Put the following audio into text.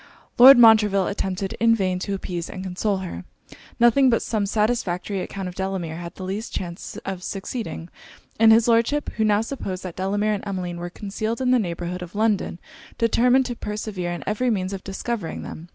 Lord Montreville attempted in vain to appease and console her. Nothing but some satisfactory account of Delamere had the least chance of succeeding; and his Lordship, who now supposed that Delamere and Emmeline were concealed in the neighbourhood of London, determined to persevere in every means of discovering them.